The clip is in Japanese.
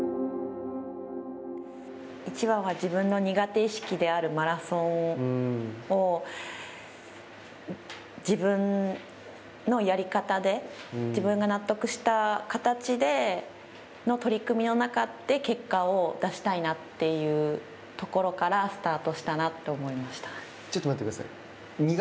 いちばんは、自分の苦手意識であるマラソンを自分のやり方で自分が納得した形での取り組みの中で結果を出したいなっていうところからスタートしたいなってちょっと待ってください。